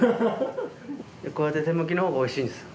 こうやって手むきのほうがおいしいんですか？